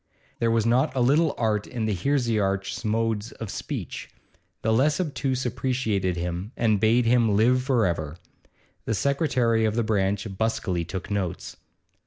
There was not a little art in the heresiarch's modes of speech; the less obtuse appreciated him and bade him live for ever. The secretary of the branch busily took notes.